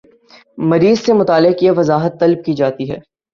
مریض سے متعلق یہ وضاحت طلب کی جاتی ہے